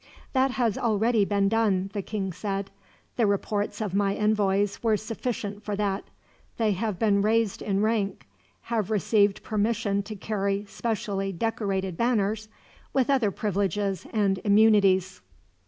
"That has already been done," the king said. "The reports of my envoys were sufficient for that. They have been raised in rank, have received permission to carry specially decorated banners, with other privileges and immunities."